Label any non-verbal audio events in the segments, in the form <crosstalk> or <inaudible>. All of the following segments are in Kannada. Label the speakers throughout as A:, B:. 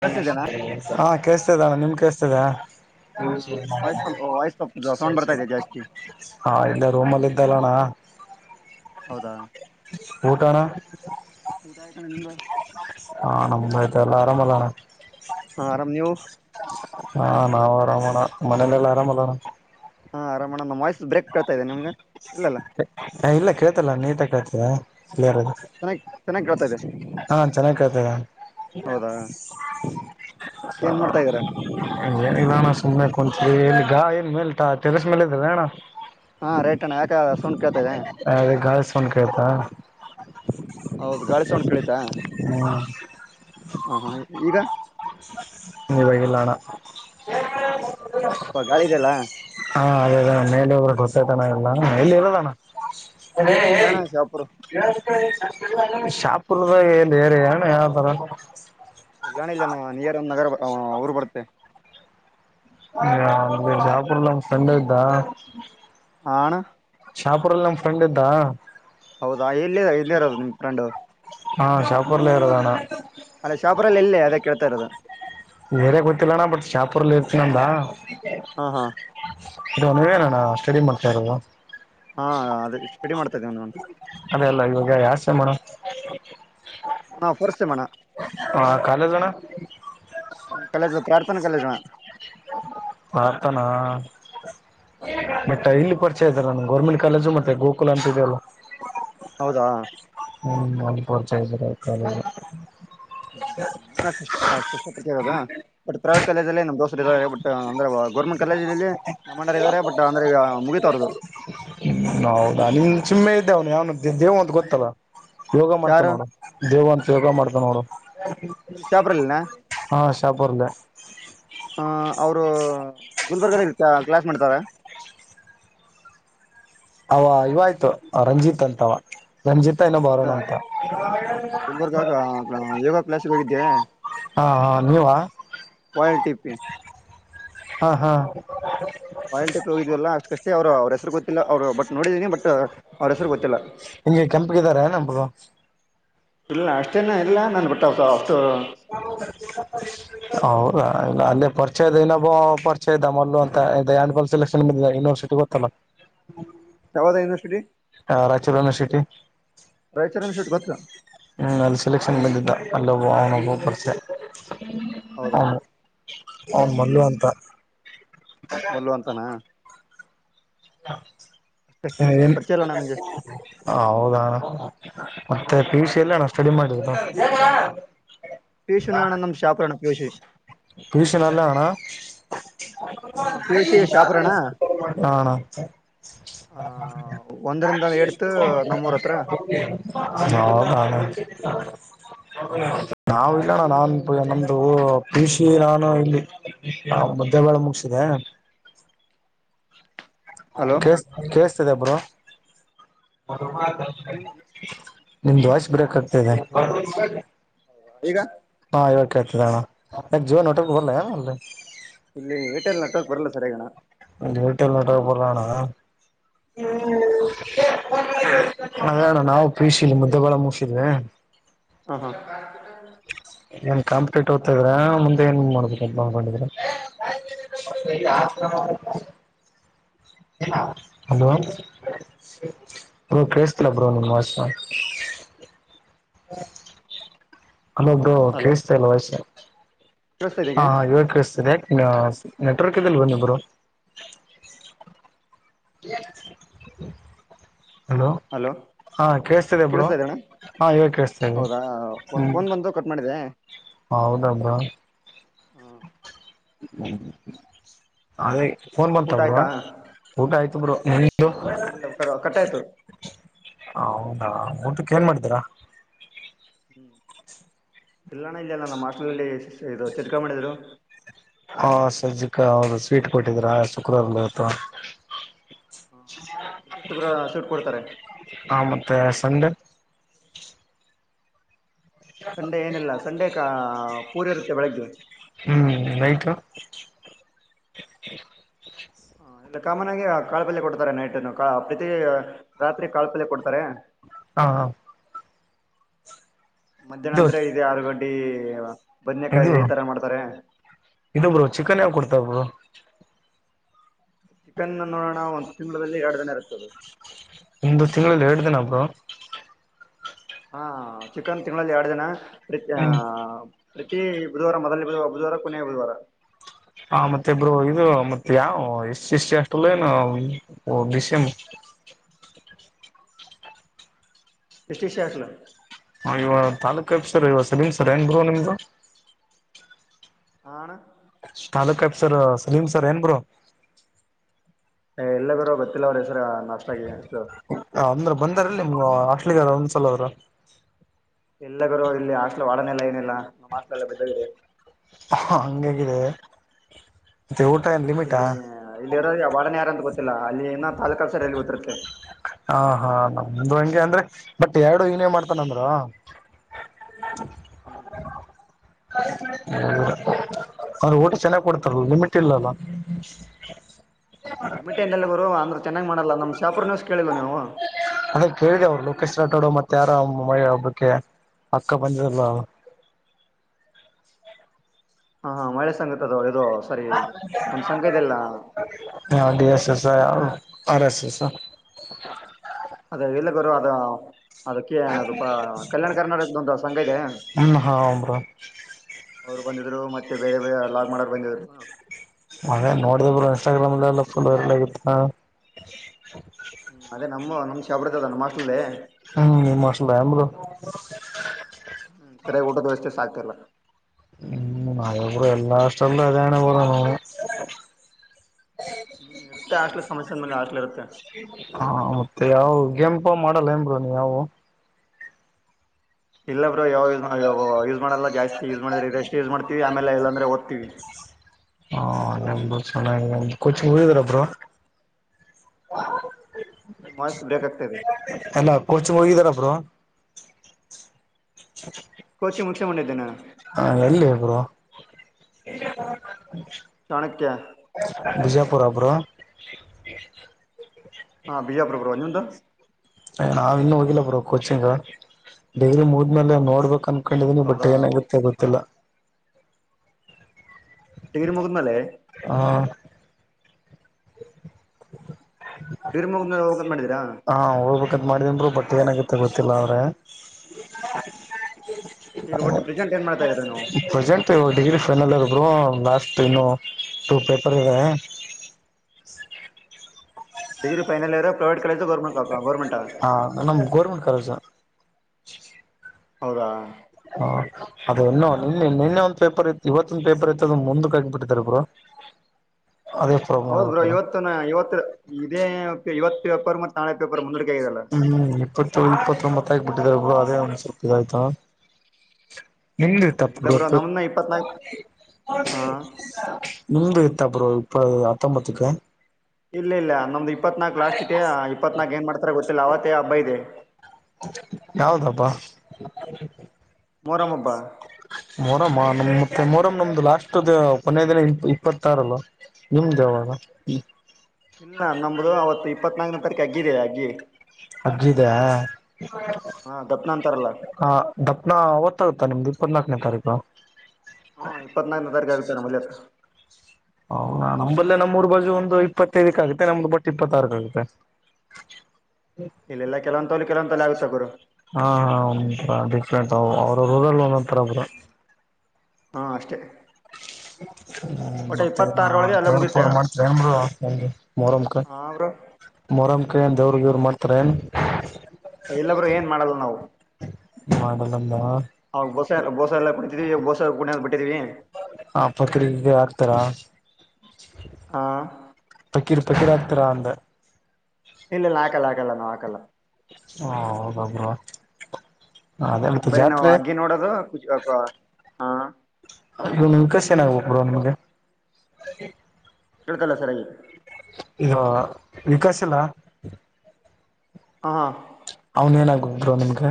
A: ಕೇಳಿಸ್ತಿದೆನಾ
B: ಹಾ ಕಸ್ತದ ನಿಮ್ ಕಸ್ತದ
A: ವಾಯ್ಸ್ ಸ್ವಲ್ಪ ವಾಯ್ಸ್ ಸ್ವಲ್ಪ ಸೌಂಡ್ ಬರ್ತಾ ಇದೆ ಜಾಸ್ತಿ
B: ಹಾ ಇಲ್ಲ ರೂಮ್ಲ್ ಇದ್ದಲ್ಲಣ್ಣ
A: ಹೌದಾ
B: ಊಟಣ
A: ಊಟ ಆಯ್ತ ಅಣ್ಣ ನಿಮ್ದು
B: ಹ ನಮ್ ತಲ್ಲ ಆರಾಮಲ್ಲನ
A: ಹ ಆರಾಮ್ ನೀವು
B: ಹಾ ನಾವವು್ ಆರಾಮಣ ಮನಲೆಲ್ಲ ಆರಾಮ ಅಲ್ಲಣ
A: ಹಾ ಆರಾಮಣ್ಣ ನಮ್ಮ್್ ಬ್ರೇಕ್ ಕಳ್ತಾ ಇದೆ ನಿಮ್ಗೆ ಇಲ್ಲಾ
B: ಇಲ್ಲ ಕೇಳ್ತಲ್ಲ ನೀತ ಕೇಳ್ತದ
A: ಚೆನ್ನಾಗಿ ಚೆನ್ನಾಗಿ ಕೇಳ್ತಾ ಇದೆ
B: ಹಾ ಚೆನ್ನಾಗಿ ಕೇಳ್ತ
A: ಹೌದಾ ಏನ್ ಮಾಡ್ತಾ ಇದೀರಾ
B: ಏನಿದಾನ ಸುಮ್ನೆ ಇಲ್ಲಿ ಗಾ ಏನ್ ಮೇಲ್ತಾ ತಲಸ ಮೇಲೆ ಇದ್ರ ಅಣ
A: ಹಾ ರೈಟ್ಣ್ಣ ಸುನ್ ಕೇಳ್ತದೆ
B: ಅದಾ
A: ಹೌದು ಗ ಕಳಿತಾ
B: ಹ್ಮ್
A: ಹ ಹಾ ಈಗ
B: ನೀವಾಗಲ್ಲಣ ಹ್ಮ
A: ಸ್ವಲ್ಪ ಗಾಳಿ ಇದೆಯಲ್ಲ
B: ಹಾ ಅದೇ ಅದ ಮೇಲಿ ಒಬರು ಗಟ್ಟೆತನ ಇಲ್ಲ ಇಲ್ಲಿ ಇರೋದಣ ಅ
A: ಇಲ್ಲಣ್ಣ
B: ಹೇಳ
A: ಶಾಪುರ್
B: ಶಾಪುರದಾಗ ಎಲ್ಲಿ ಏರಿ ಅಣ್ಣ ಯಾವರ
A: ಎಲ್ಲ ಇಲ್ಲ ನ ನಿಯರ್ ಒಂದ್ ನಗರ ಹನ ಅವ ಪಡತೆ
B: ಹ ಜಾಪುರ್ಲ್ಲಂಗ ಸಂಡೆ ಇದ್ದ
A: ಆಣ
B: ಶಾಪುರ್ಲ್ಲಿ ನಮ್ ಫ್ರಂಡ್ ಇದ್ದ
A: ಹೌದಾ ಎಲ್ಲಿ ಎಲ್ಲಿ ಇರೋದು ನಿಮ್ ಫ್ರಂಡು
B: ಹಾ ಶಾಪೂರ್ಲೇರುದಾನ
A: ಅದೇ ಶಾಪ್ರಲ್ಲಿ ಇಲ್ಲೇ ಅದೇ ಕೇಳ್ತಾ ಇರೋದು
B: ಬೇರೆ ಗೊತ್ತಿಲ್ಲಣ್ಣ ಬಟ್ ಚಾಪುರ್ಲ್ಲಿ ಇರ್ತೀನ ಅಂದ
A: ಹಾ ಹಾ
B: ನೀವೇನಣ್ಣ ಸ್ಟಡಿ ಮಾಡ್ತಾ ಇರದು
A: ಹಾ ಅದೇ ಸ್ಟೆಡಿ ಮಾಡ್ತಾ ಇದ್ದೇವನ್
B: ಹ
A: ನಾ ಫೋರ್ಟ್ ಸೇಮ್ ಅಣ್ಣ
B: ಹಾ ಕಾಲೇಜ್ ಅಣ್ಣ
A: ನಮ ಕಾಲೇಜ್ ಪ್ರಾರ್ಥನಾ ಕಾಲೇಜ್ನ
B: ಆತಾನ ಮಟ್ಟ ಇಲ್ಲಿ ಪರಿಚಯ ಇದಾರೆ ನ ಗೌರ್ಮೆಂಟ್ ಕಾಲೇಜು ಮತ್ತೆ ಗೋಕುಲ ಅಂತಿದೆಲ್ಲ
A: ಹೌದಾ
B: ಹ್ಮ್ ಮಪೂರ್ ಜ ಇದ್ರ ಕಾಲ
A: ಹ್ಮ ಹ್ಮ ನಮ್ಮ ಸ್ಪಷ್ಟಪತ ಅದ ಬಟ್ ಪ್ರೈವೇಟ್ ಕಾಲೇಜಲ್ಲಿ ನಮ್ ದೋಸ್ತರು ಇದಾರೆ ಬಟ್ ಅಂದ್ರೆ ಗೌರ್ಮೆಂಟ್ ಕಾಲೇಜಲ್ಲಿ ನಮ್ಮ ಅಣ್ಣರ್ ಇದ್ದಾರೆ ಬಟ್ ಅಂದ್ರೆ ಈಗ ಮುಗಿತಾವರದು
B: ಹೌದಾ ನಿನ್ ಸುಮ್ಮೆ ಇದ್ದೆ ಅವನು ಅವನು ದೇವು ಅಂತ ಗೊತ್ತಲ್ಲ ಯೋಗ ಮಾಡ್ತ
A: ಯಾರು
B: ನೋಡ ದೇವನ್ ಯೋಗ ಮಾಡ್ತ ನೋಡು
A: ಶಾಪ್ರಲ್ಲಿನ
B: ಶಾಪ್ರಲ್ಲಿ
A: ಹ ಅವರು ಗುಲ್ಬರ್ಗದ ಇತ ಕ್ಲಾಸ್ ಮಾಡ್ತಾರ
B: ಅವ ಇವಾಯ್ತು ರಂಜಿತ್ ಅಂತವ ರಂಜಿತ ಇನ್ನೊಬ್ಬ
A: ಇಲ್ಲ
B: ಅರುಣ್ ಅಂತ
A: ಗುಂಬರ್ಗ ಯೋಗ ಕ್ಲಸ್ಿಗೆ ಹೋಗಿದ್ದೆ
B: ಹಾ ಹಾ ನೀವ
A: ಬಯಲ್ ಟಿ ಪಿ
B: ಹಾ ಹಾ
A: ಬಯಲ್ ಟಿ ಪಿ ಹೋಗ್ವಲ್ಲ ಅಷ್ಟೇ ಕಷ್ಟ ಅವರು ಹೆಸರು ಗೊ ಇಲ್ಲ ಅವರು ಬಟ್ ನೋಡಿದೀನಿ ಬಟ್ ಅವ್ರ ಹೆಸರು ಗೊತ್ತಿಲ್ಲ
B: ಹಿಂಗೆ ಕೆಂಪಗಿದಾರ ಬ್ರೋ
A: ಇಲ್ಲ ಅಷ್ಟೇನ ಇಲ್ಲ ನನ್ ಬಿಟ್ಟಸ
B: ಹೌ ಇಲ್ಲ ಇಲ್ಲ ಅಲ್ಲೇ ಪರಿಚಯ ಇದೆ ಇನ್ನೊಬ್ ಪರಿಚಯ ಇದದೆ ಮಲ್ಲ ಅಂತಲ್ ಸೆಲೆಕ್ಷನ್ ಬ ಯೂನಿವರ್ಸಿಟಿ ಗೊತ್ತಲ್ಲ
A: ಯಾವದ ಯನರ್ಸಟಿ
B: ಹ ರಾಯಚೂರು ಯೂನಿವರ್ಸಿಟಿ
A: ರಾಯಚೂರು ಯೂನಿವರ್ಸಿಟಿ ಗೊತ್ತು
B: ಹ್ಮ್ ಅಲ್ಲಿ ಸೆಲೆಕ್ಷನ್ ಬಂದಿದ್ದ ಅಲ್ಲಭ ಅವನೊಬ್ಬ ಪರಿಚಯ
A: ಹೌದಾ
B: ಹ ಹ ಮಲು ಅಂತ ಬ
A: ಮಲ್ಲ ಅಂತಾನ ಅಷ್ಟ
B: <inaudible> ಏನ್
A: ಪರಿಚಯ ಇಲ್ಲ ನನಗೆ
B: ಹೌದಾ ಅಣ್ಣ ಮತ್ತೆ ಪಿ
A: ಹ್ಮ್
B: ಯು ಸಿ ಎಲ್ಲ ಅಣ್ಣ ಸ್ಟಡಿ ಮಾಡಿ ಎನ್ <unintelligible>
A: ಪಿಯುಷಿ ನೋಡೋಣ ನಮ್ ಶಾಪುರಣ ಪಿಯುಷಿ
B: ಭೀಷಣಲ್ಲ ಅಣ್ಣ
A: ಹಾ ಪಿಯುಷಿ ಶಾಪುರಣ
B: ಹಾ ಅಣ್ಣ ಹಾ
A: ಆ ಒಂದರಿಂದ ಎಡ್ತು ನಮ್ಮೂರ ಹತ್ರ
B: ನ. ನಾವ ಇಲ್ಲಣ್ಣ ನಾನ್ ನಮ್ದು ಪಿಷಿ ನಾನು ಇಲ್ಲಿ ಮುದ್ದ ಬೇಳೆ ಮುಗಸಿದೆೆ.
A: ಹಲೋ
B: ಕೆ ಸ್ ಕೆ ಸ್ ಹಚ್ಚಿದ ಬ್ರೋ <unintelligible> ನಿಮ್ದು ವಾಷ್ ಬ್ರೇಕ್ ಆಗ್ತದೆ.
A: ಹ ಈಗ.
B: ಕೆ ಜ ಜುವ ನ ಒಊಟ ಭಲ್.
A: ಇಲ್ಲಿ ಹಿಟೆಲ್ ನೆಟ್ವರ್ಕ್ ಬರಲ್ಲ ಸರಿಯಗಣ.
B: ವೀಟ ಎಲ್ಲ ನಟಬಲಣಾ. ಹ್ಮ್. ಹಣ ನಾವು ಪೀಶ ಇಲ್ಲಿ ಮುದ್ದೆಗೋಳ ಮುಸಿದ್ವಿ.
A: ಹ್ಮ ಹಾ.
B: ಏನ್ ಕಾಂಪ್ಲೀಟ್ ಹೋಗ್ತಾ ಇದ್ರ ಮುಂದೆ ಏನ್ ಮಾಡುದ ಮಾಡಕೊಂಡಿದ್ರ. ಹಲೋ ಹ ಕೇಸ್ಲ ಬರ ನಿಮ್ಮ ಹನ್ನದದು
A: ಹಲೋ
B: ಕೇಳಿಸ್ತಾಲ್ ವಯಷ್ಯ
A: ಕೇಳಿಸ್ತಾ
B: ಹ ಹಾ
A: ಇದೆಗೆ
B: ಹ ಇವಾಗ ಕಳಿಸ್ತಿದೆ ನೆಟ್ವರ್ಕ್ ಇದಲ್ಲಿ ಬಂದಿಬ್ಬರು <inaudible> <inaudible>
A: ಹಲೋ
B: ಹಾ ಕೇಳಿಸ್ತಿದೆ ಬ್ರೋ
A: ಕೇಳಿಸತ ಇದ್ದಣ್ಣ
B: ಹಾ ಇವಾಗ ಕೇಳಿಸ್ತಾ ಇದೆ
A: ಹೌದಾ ಒಂದು ಫೋನ್ ಬಂದು ಕಟ್ ಮಾಡಿದೆ
B: ಹೌದಬ್ರಾ ಹ್ಮ್ ಅದೇ ಫೋನ್ ಬಂತ
A: ಊಟ
B: ಬ್ರ
A: ಆಯ್ತಾ
B: ಊಟ ಆಯ್ತು ಬರು ನಿ್ದ
A: ಇಲ್ಲ ಕಟ್ ಆಯ್ತು
B: ಹೌದಾ ಊಟಕ್ಕೆ ಏನ್ ಮಾಡಿದ್ದೀರಾ
A: ಹ್ಮ್ ಇಲ್ಲ್ಣ ಇಲ್ಲ ನಮ್ಮ ಮಾಸ್ಷಲ್ ಇದು ಚಿರ್ಕ ಮಾಡಿದ್ರು
B: ಹಾ ಸಜ್ಜಿಕ ಅವರು ಸ್ವೀಟ್ ಕೊಟ್ಟಿದ್ರ ಶುಕ್ರವಾರ ಇತ್ತು
A: ಪ್ರತೀ ತುಗ್ರ ಸೂಟ್ ಕೊಡ್ತಾರೆ
B: ಪಸಂಡ
A: ಸಂಡೆ ಏನಿಲ್ಲ ಸಂಡೆ ಕ ಪೂರಿ ಇರುತ್ತೆ ಬೆಳಗ್ಿವವಿ
B: ಹ್ಮ್ ನಯ್ತು
A: ಹ ಇಲ್ಲ ಕಾಮನ್ ಆಗಿ ಕಾಳುಪಲ್ಯ ಕೊಡ್ತಾರೆ ನೈಟ್ನ್ನು ಕಾ ಪ್ರತಿ ರಾತ್ರಿ ಕಾಳುಪಲ್ಯ ಕೊಡ್ತಾರೆ.
B: ಹಾ ಹ
A: ಮಧ್ಯಾಹ
B: ಇದು
A: ನಂತರ ಇದೆ ಆರು ಗಂಟೆ ಅ <unintelligible>
B: ಇದು ಇದೊಬ್ಬರು ಚಿಕನ್ ಯಾವ ಕೊಡ್ತ ಹ
A: ಚಿಕನ್ ನೋಡೋಣ ಒಂದ್ ತಿಂಲ್ಲಿ ಎರಡು ಜನ ಇರ್ತದೆ
B: ಒ್ದ ತಿಂಗಳಲ್ಲಿ ಎರಡು ದಿನಬ್ರು
A: ಹಾ ಚಿಕನ್ ತಿಂಗಳಲ್ಲಿ ಎರಡು ಜನ ಪ್ರ ಆ.
B: ಹ್ಮ್
A: ಪ್ರತಿ ಬುಧವಾರ ಮೊದಲೇ ಬುಧಾರ ಬುಧವಾರ ಕೊನೆಯ ಬುಧವಾರ
B: ಹ ಮತ್ತೆ ಇಬ್ರು ಇದು ಮತ್ತೆ ಯಾವ ಎಷ್ಟ ಎಷ್ಟ ಅಷ್ಟಲ್ಲ ಏನು ಬಿಸೆಮ
A: ಎಷ್ಟಿ ಶಖಲ <inaudible>
B: ಹ ಇವ ತಾಲೂಕ ಎಪ್ಸರ್ ಇವ ಸಲೀಮ ಸರ್ ಏನ್ ಬರು ನಿಮ್ದು
A: ಹಣ
B: ತಾಲೂಕ್ಬ್ ಸರ್ ಸಲೀಂ ಸರ್ ಏನ್ ಗರು
A: ಎಲ್ಲ ಗರ ಗೊತ್ತಿಲ್ಲ ಅವ್ರ ಹೆಸರ
B: ಹ ಅಂದ್ರ ಬಂದಾರ ನಿಮ ಅಸ್ಲಿಿಗೆದ ಒಂದ್ಸಲದ್ರ
A: ಎಲ್ಲ ಗುರು ಇಲ್ಲಿ ಹಾಸ್ಟ್ಲ್ ಒಡನೆೆಲ್ಲ ಏನಿಲ್ಲ ನಮ್ಮ ಮಾಸ್ ಎಲ್ಲ ಬಿದ್ದಿದೆ
B: ಹಂಗಗಿದೆ ವಟೈಮ ಲಿಮಿಟಾ
A: ಇಲ್ಲಿ ಇಲ್ಲಿರೋ ವಾರ್ಡನ್ ಯಾರಂತ ಅಲ್ಲಿ ತಾಲೂಕ ಸರಲ್ಲಿ ಗೊತ್ತರುತ್ತೆ
B: ಒಂದು ಹಂಗೆ ಅಂದ್ರೆ ಬಟ್ ಎರಡು ಇನೇ ಮಾಡ್ತಾನ ಅಂದ್ರ
A: ಹ್ಞೂ
B: ಊಟ ಚೆನ್ನಾಗ್ ಕೊಡ್ತಾರ ಲಿಮಿಟ್ ಇಲ್ಲಲ್ಲ
A: ಲಿಮಿಟ ಎಲ್ಲಿ ಬರಾವ್ ಚೆನ್ನಾಗಿ ಮಾಡಲ್ಲ ನಮ್ಮ್ ಶಾಪೂರ್ನ್ಯವಸ್ ಕೇಳಿಲ್ಲವ ನೀವು
B: ಅದ ಕೇಳಿದೆ ಅವ್ರು ಲೋಕೇಶ್ ರಟೋಡ ಮತ್ತೆ ಯಾರ ಮೈ ಹಬ್ಬಕ್ಕೆ ಅಕ್ಕ ಬಂದಿದಲ್ಲ
A: ಹಾ ಹಾ ಮಳೆ ಸಂಗತ್ದೋ
B: ಹಾ ದ ಸ ಸ <unintelligible> ಆರ್ ಎಸ್ ಎಸ್ ಹ
A: ಹ ಅದೇ ವಲೆ <inaudible> ಅದ <unintelligible> ಅದಕ್ಕೆ ಅದು ಪ ಕಲ್ಯಾಣ ಕರ್ನಾಟಕದೊಂದು ಸಂಘ ಇದೆ
B: ಹ್ಮ್ ಹಾ ಬ್ರೋ
A: ಅವರು ಬಂದಿದ್ರು ಮತ್ತೆ ಬೇರೆ ಬ ಲಾಗ ಮಾಡಕ್ ಬಂದಿದ್ರು
B: ಮೆ ನೋಡಿದ್ರರು ಇನ್ಸ್ಟಾಗ್ರಾಮ್ಲ್ಲ ಎಲ್ಲ ಫುಲ್ ವೈರಲ್ ಆಗಿತ್ತ <inaudible>
A: ಹ್ಮ್ ಅದೇ ನಮ್ಮ ನಮ್ಮ ಶಬ್ರದ ಅದ ನ ಮಾಸ್ರುಲ್ಲೇ
B: ಹ್ಮ್ ಮಶ ಆಲ
A: ಸರಿಯಾಗಿ ಊಟದ ವ್ಯವಸ್ಥೆ ಆಗ್ತಿಲ್ಲ
B: ಹ್ಮ್ ಮಳಪುರ ಎಲ್ಲಾ ಕಷ್ಟಲ್ಲ ಅದಣ ಪರ ನೋನು
A: ಹ್ಮ್ ಇರುತ್ತೆ ಆಷ್ಟಲಿ ಸಮಸ್ಯೆಂದಗೆ ಆಷ್ಟಲಿ ಇರುತ್ತೆ
B: ಹಪ ಮಾಡಲ್ಲ ಏನ್ ನೀ ಯಾವು
A: ಇಲ್ಲ ಯಾವ ಯೂಸ್ ಮಾಡಲ್ಲ ಜಾಸ್ತಿ ಯೂಸ್ ಮಾಡಿದ್ರೆ ಇದೆ ಎಷ್ಟು ಯೂಸ್ ಮಾಡ್ತೀವಿ ಆಮೇಲೆ ಇಲ್ಲ ಅಂದ್ರೆ ದ್ತಿವಿ
B: ಹಾ ಚೆನ್ನಾಗಿ ಕೊಚಿಂಗ್ ಹೋಗಿದ್ರಬ್ರ
A: ವಾಯ್ಸ್ ಬ್ರೇಕ್ ಆಗ್ತಾ ಇದೆ
B: ಎಲ್ಲ ಕೊರ್ಚ್ ಮುೋಗಿದಾರಬ್ರು <unintelligible>
A: ಕೊಚಿ ಮುಗಿಸಕೊಂಡಿದ್ದೆ ನಾನು
B: ಹಾ ಎಲ್ಲಿ ಒಬ್ರು
A: ಚಾಣಕ್ಯ
B: ಬಜ ಪರ ಪರೋ
A: ಹಾಂ ವಿಜಯಪುರ ಪ್ರವಾನ ಹಿಂದ
B: ಅಯ ನಾವ್ ಇನ್ನು ಹೋಗಿಲ್ಲ ಬ್ರೋ ಕೋಚಿಂಗ್ ಡಿಗ್ರಿ ಮುದ್ಮೇಲೆ ನೋಡ್ಬೇಕಂತ ಕಳ
A: ಹೌದಾ
B: ಬಟ್ಟೆ ಏನಾಗುತ್ತೆ ಗೊತ್ತಿಲ್ಲ
A: ಡಿಗರಿ ಮುಗನ್ನಲ್ಲೇ
B: ಹ
A: ಡಿಗ್ರಿ ಮುಗಿದ್ಮೇಲೆ ಹೋಗಂತ ಮಾಡಿದೀರಾ
B: ಹಾ ಹೋಗ್ಬೇಕಂತ ಮಾಡಿದನ್ರು ಬಟ್ಟೆ ಏನಾಗುತ್ತೆ ಗೊತ್ತ ತಲಾವರೆ
A: ಈಗ ಒಟ್ಟು ಪ್ರೆಸೆಂಟ್ ಏನ್ ಮಾಡ್ತಾ ಇದೀರಾ ನೀವು
B: ಪ್ರೆಸೆಂಟ್ ಇ ಡಿಗ್ರಿ ಫೈನಲ್ ಒಬ್ ಲಾಸ್ಟ್ ಇನ್ನು ಟು ಪೇಪರ್ ಇದೆ ಸ
A: ಡಿಗ್ರಿಫೈಲ್ಯರ್ ಪ್ರೌ
B: ಹಾ ನಮ ಗೋರ್ಮೆಂಟ್ ಕಾಲೇಜು
A: ಹೌದಾ
B: ಹಾ ಅದು ಇನ್ನು ನಿನ್ನೆ ನಿನ್ನೆ ಒಂದ ಪೇಪರ್ ಇತ್ತು ಇವತ್ತೊಂದ ಪೇಪರ್ ಇಐತ್ತು ಅದ ಮುಂದಕ್ ಆಗಬಿಟ್ಟಾರಬ್ರು
A: ಹೌದ್ ಬ್ರೋ ಇವತ್ತು ನ ಇವತ್ತು ಇದೇ ಇವತ್ತು ಪರ್ ಮ
B: ಹ್ಮ್ ಇಪ್ಪತ್ತು ಮುಪ್ಪತ್ತೊಂಬತ್ತು ಗತ್ತಾಗ ಬಿಟ್ಟಿದಿದ್ದಾರೆಬ್ರು ಅದೇ ಒಂದ್ ಸ್ವಲ್ಪ ಇದಾಯ್ತಾ ನಿಂದಿತ್ತ
A: ಇಲ್ಲ ಬ್ರೋ
B: ಪವಕ
A: ನಮ್ನ ಇಪ್ಪತ್ನಾಲ್ಕು ಹಾ
B: ನಿಮ್ದು ಇತ್ತಬ್ರು ಇಪ್ಪ ಹತ್ತೊಂಬತ್ತಕ್ಕೆ
A: ಇಲ್ಲ ಇಲ್ಲ ನಮ ಇತ್ನಾಲ್ಕ್ ಲಾಸ್ಟ್ ಇಪ್ಪತ್ನಾಕಕ್ ಏ ಮಾಡತ ಗೊತ್ತ ಲಾವತ ಅಬ್ಬ ಇದೆ
B: ಯಾವದಬ್ಬ
A: ಮೊಹರಂ ಹಬ್ಬ
B: ಮರ ಮಾ ಮತ್ತ ಮೊರಮ್ ನಮ್ದು ಲಾಸ್ಟ್ ಕೊನೇ ದಿನ ಇ ಇಪ್ಪತ್ತಾರಲ್ಲ ನಿಮ್ದೇವಾಗ
A: ಇಲ್ಲ ನಮ್ದು ಅವತ್ತು ಇ ಇಪ್ಪತ್ನಾಲ್ಕನೇ ತಾರೀಕು ಆಗಿದೆ ಅಗಿ
B: ಅಗ್ಗಿದೆ
A: ಹಾ ದಪ್ನ ಅಂತಾರಲ್ಲ
B: ಹ ದಪ್ಪನ ಅವತ್ತು ಆತಾ ನಿಮ್ದು ಇಪ್ಪತ್ನಾಲ್ಕನೇ ತಾರೀಕು
A: ಹಾ ಇಪ್ಪತ್ನಾಲ್ಕನೇ ತಾರೀಕು ಆಗುತ್ತೆ ನ ಮಲ್ಯ
B: ಹೌದ ನಂಬಲ್ಲೇ ನಮ್ಮೂರ್ ಬಾಜು ಒಂದು ಇಪ್ಪತ್ತೈದಕ್ಕ ಆಗುತ್ತೆ ನಮ್ದು ಬಟ್ಟು ಇಪ್ಪತ್ತಾರಕ ಆಗುತ್ತೆ
A: ಇಲ್ಲೆಲ್ಲಾ ಕೆಲವಂತಲಿ ಕೆಲವೊಲ್ಲಿ ಆಗ್ತ ಗರು
B: ಹ ಡಿಫ್ರೆಂಟ್ ಅವ್ರ ರೂರಲ್ಲಿ ಒಂದೊಂತರ ಒಬ್ರು
A: ಹಾ ಅಷ್ಟೇ
B: ಹ ಹ್ಮ್
A: ಒಟ್ಟ
B: ಮತ್ತೆ ನ
A: ಇಪ್ಪತ್ತಾರೊಳಗೆ ಎಲ್ಲ
B: ದೇ ಪರ್
A: ಮುಗಿತೇವೆ
B: ಮಾಡ ನ ಮೊರಮಕ
A: ಹಾ ಬ್ರೋ
B: ಮೊರಂ ಕ ದವ್ರಗವ್ರರು ಮಾಡ್ತಾರೆೇ
A: ಎಲ್ಲಬ್ರುೂ ಏನ್ ಮಾಡಲ್ಲ ನಾವು
B: ಮಾಡಲ್ಲಮ್ಮ
A: <inaudible> ಎಲ್ಲ ಕುತಿದವಿ ಬೋಸ ಕುಡ ಬಿಟ್ಟೀವಿ
B: ಆ ಫಕೀರಿಗೆ ಹಾಕ್ತಾರಾ
A: ಹಾ
B: ಕೃಪಕಡತ್ರರ ಆಂದ
A: ಇಲ್ಲಿಲ್ಲಾಕಲ್ಲ ಹಾಕಲ್ಲ ನಾ ಆಾಕಲ್ಲ
B: ಹ ಗಬ್ರ
A: ಹ್ಮ್ ಬರೀ ನಾವು ಅಗ್ಗಿ ನೋಡೋದು ಕುಜಬೇಕ ಹಾ
B: ಕಷ ಏನಾಗ್ಬೇಕ ಬಿಡ ನಮಗೆ
A: ಕೇಳ್ತಲ್ಲ ಸರ್ಿ
B: ಈಗ ವಿಕಾಶ ಎಲ್ಲಾ.
A: ಹ ಹಾ
B: ಅವನ್ ಏನಾಗುದ್ರು ನಿಮಗ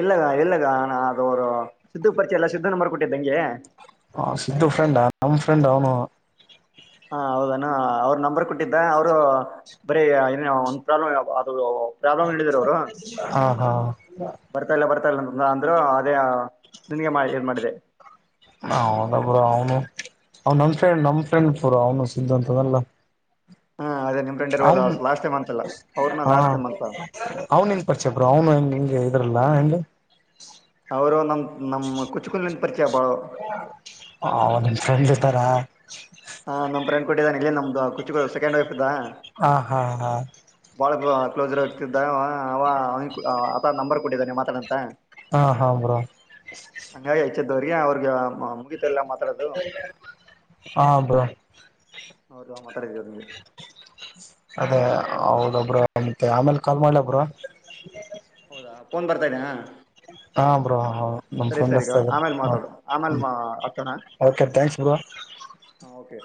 A: ಇಲ್ಲಗ ಇಲ್ಲಗ ನಾ ಅದು ಅವರು ಸಿದ್ದು ಪರಿಚಯ ಎಲ್ಲ ಸಿದ್ದನ ಮರ್ಕೊಟ್ಟಿದ್ದಂಗೆ
B: ಹ ಸಿದ್ದು ಫ್ರೆಂಡ್ ನಮ ಫ್ರೆಂಡ್ ಅವನು
A: ಹಾ ಹೌದಾನ ಅವ್ರ ನಂಬರ್ ಕೊಟ್ಟಿದ್ದ ಅವರು ಬರೀ ಏನ ಒಂದ ಪ್ರಾಬ್ಲಮ್ ಅ ಪ್ರಾಬ್ಲಮ್ ಹೇಳಿದರು ಅವರು
B: ಹ ಹಾ
A: ಬರ್ತಾ ಇಲ್ಲ ಬರ್ತಾ ಇಲ್ಲ ಅಂದ್ರ ಅದೇ ನನ್ಗೆ ಏನ್ ಮಾಡಿದೆ
B: ಹೌದ ಪುರ ಅವನು ಅವ ನನ್ ಫ್ರಂಡ್ ನಮ್ ಫ್ರೆಂಡ್ ಪುರ ಅವನು ಸಿದ್ಧಾಂತದಲ್ಲ
A: ಹಾ ಅದೇ ನಿಮ್ ಫ್ರೆಂಡ್ ಇರ್ಬೋದು
B: ಅವನ್
A: ಲಾಸ್ಟ್ ಟೈಮ್ ಅಂತಲ್ಲ ಅವ್ರನ್ನ
B: ಹ
A: ಲಾಸ್ಟ್ ಟೈಮ್ ಅಂತ
B: ಅವನು ನ್ ಪರಿಚಯ ಬರು ಅವನು. ಇದ್ರಲ್ಲಾ ಹೆ.
A: ಅವರು ನಮ ನಮ ಕುಚುಕುಲ್ಿಂದ ಪರಿಚಯ ಬಾಳು
B: ಅವ ನಿಮ್ ಫ್ರೆಂಡ್ <unintelligible>
A: ಹಾ ನಮ ಫ್ರೆ್ ಕೊಟ್ಟಿದ್ದಾನ ಇ ನ್ದು ಕುು ಸೆಂಡ್ ವೈ್
B: ಹ ಹಾ ಹಾ
A: ಕ್ಲೋಸರ್ ಆಗ್ತಿದ್ದ ಅವ ಅವ ಆ ನಂಬರ್ ಕೊಟ್ಟಿದ್ದಾನೆ ಮಾತಾಡಂತ
B: ಹಾ ಹಾ ಬ್ರೋ
A: ಹಂಗಾಗಿ ಹೆಚ್ಚಿದ್ದ ಅವ್ರಿಗೆ ಅವ್ರಿಗೆ ಮುಗಿತ ಎಲ್ಲ ಮಾತಾಡೋದು
B: ಹಾಯ್.
A: ಹೌದು ಮತ್. ಪ್ರಗದ
B: ಅದೇ ಹೌದೊಬ್ರ ಮತ್ತೆ ಆಮೇಲೆ ಕಾಲ್ ಮಾಡ್ಲ ಒಬ್ರ
A: ಹೌದಾ ಫೋನ್ ಬರ್ತಾ ಇದ್ದ
B: ಹಾ ಬ್ರ ನಮ್ ಫ್ರೆಂಡ್ತ
A: ಆಮೇಲೆ ಮಾತಾಡು ಆಮೇಲೆ ಹಚ್ಚೋಣ
B: ಹೆಕ್ಸ್ ಬ
A: ಓಕೆ